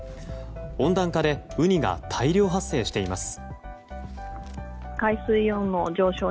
温暖化でウニが大量発生しています。